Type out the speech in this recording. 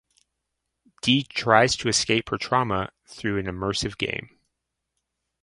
Dee tries to escape her trauma through an immersive game.